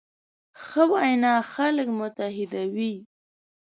ښه وینا خلک متحدوي.